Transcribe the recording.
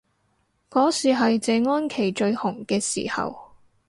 嗰時係謝安琪最紅嘅時候